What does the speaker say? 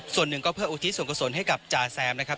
ส่วนหนึ่งก็เพื่ออุทิศส่วนกุศลให้กับจาแซมนะครับ